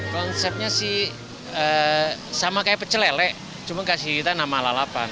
konsepnya sih sama kayak pecel lele cuma kasih kita nama lalapan